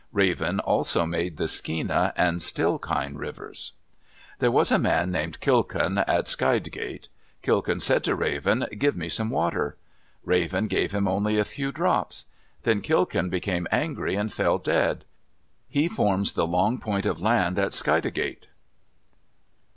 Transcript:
Raven also made the Skeena and Stikine rivers. There was a man named Kilkun at Skidegate. Kilkun said to Raven, "Give me some water!" Raven gave him only a few drops. Then Kilkun became angry and fell dead. He forms the long point of land at Skidegate.